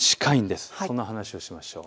その話をしましょう。